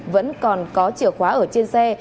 vẫn còn có chìa khóa ở trên xe